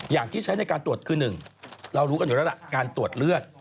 อย่างที่ใช้ในการตรวจคือ๑เรารู้กันอยู่แล้วล่ะการตรวจเลือด